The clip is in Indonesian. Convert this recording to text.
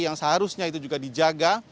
yang seharusnya itu juga dijaga